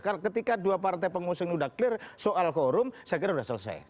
karena ketika dua partai pengusung sudah clear soal quorum saya kira sudah selesai